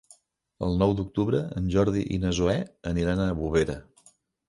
El nou d'octubre en Jordi i na Zoè aniran a Bovera.